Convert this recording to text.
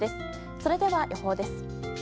それでは予報です。